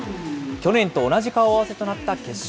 去年と同じ顔合わせとなった決勝。